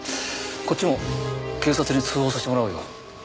こっちも警察に通報させてもらうよ。